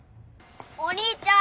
お兄ちゃん。